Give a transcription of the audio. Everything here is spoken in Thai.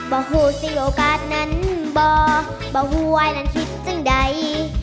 โหสิโอกาสนั้นบ่อบ่วยนั้นคิดถึงใด